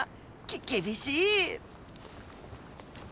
き厳しい！